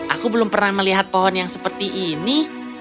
aku belum pernah melihat pohon yang seperti ini